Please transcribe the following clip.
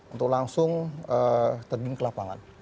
untuk langsung terjun ke lapangan